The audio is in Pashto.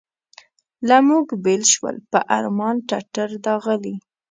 له موږ بېل شول په ارمان ټټر داغلي.